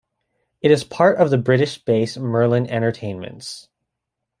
It is part of the British-based Merlin Entertainments.